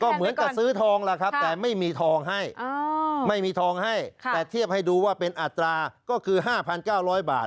เหมือนกับซื้อทองล่ะครับแต่ไม่มีทองให้ไม่มีทองให้แต่เทียบให้ดูว่าเป็นอัตราก็คือ๕๙๐๐บาท